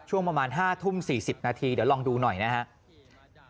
ช่วงประมาณ๕ทุ่ม๔๐นาทีเดี๋ยวลองดูหน่อยนะครับ